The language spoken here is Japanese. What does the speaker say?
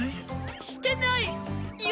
してないよ。